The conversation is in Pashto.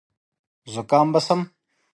زکام به شم .